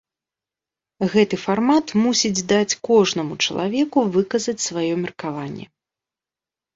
Гэты фармат мусіць даць кожнаму чалавеку выказаць сваё меркаванне.